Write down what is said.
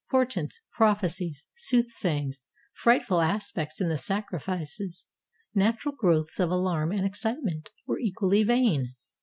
Por tents, prophecies, soothsayings, frightful aspects in the sacrifices, natural growths of alarm and excitement, were equally vain.